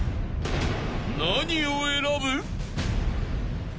［何を選ぶ？］